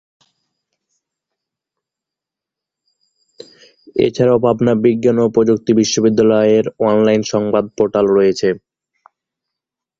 এছাড়াও পাবনা বিজ্ঞান ও প্রযুক্তি বিশ্ববিদ্যালয়ের অনলাইন সংবাদ পোর্টাল রয়েছে।